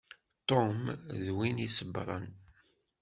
Tom d win isebbṛen.